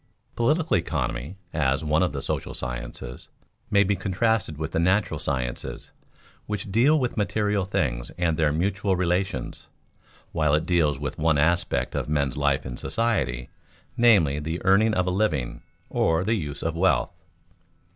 _Political economy, as one of the social sciences, may be contrasted with the natural sciences, which deal with material things and their mutual relations, while it deals with one aspect of men's life in society, namely, the earning of a living, or the use of wealth.